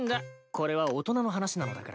これは大人の話なのだから。